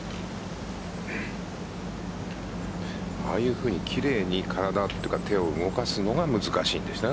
ああいうふうに、奇麗に体というか手を動かすのが難しいんですね